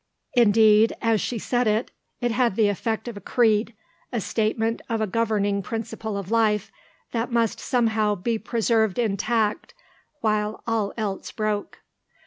Indeed, as she said it, it had the effect of a creed, a statement of a governing principle of life, that must somehow be preserved intact while all else broke.